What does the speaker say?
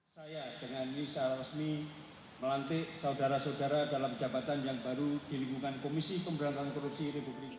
saya dengan nisah resmi melantik saudara saudara dalam jabatan yang baru dilingkungkan komisi pemberantasan korupsi republik indonesia